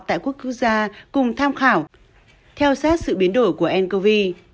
tại quốc cứu gia cùng tham khảo theo sát sự biến đổi của ncov